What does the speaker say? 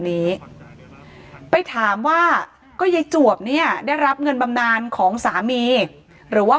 นี้ไปถามว่าก็ยายจวบเนี่ยได้รับเงินบำนานของสามีหรือว่า